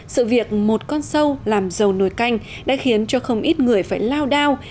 sự việc một con sâu làm dầu nồi canh đã khiến cho không ít người phải lao đao